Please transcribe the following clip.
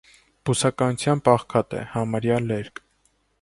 Բուսականությամբ աղքատ է, համարյա լերկ։